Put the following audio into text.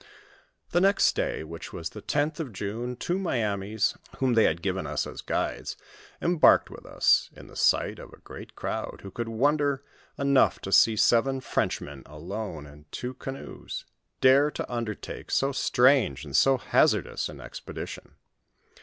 The next day, which was the tenth of June, two Miamis whom they had given us as guides, embarked with us, in the sight of a great crowd, who could wonder enough to see seven Frenchmen alone in two canoes, dare to undertake so strange and so hazardous an expedition.